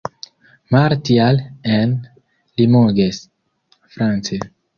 Martial en Limoges, France.